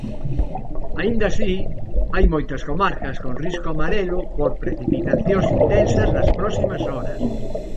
Aínda así, hai moitas comarcas con risco amarelo por precipitacións intensas nas próximas horas.